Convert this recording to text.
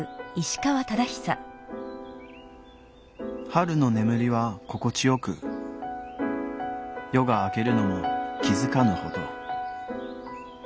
「春の眠りは心地よく夜が明けるのも気づかぬほど。